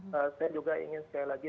saya juga ingin sekali lagi